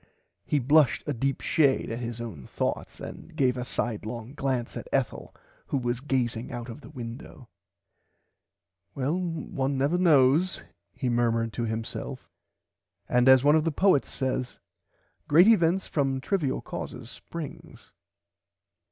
He blushed a deep shade at his own thourghts and gave a side long glance at Ethel who was gazing out of the window. Well one never knows he murmerd to himself and as one of the poets says great events from trivil causes springs.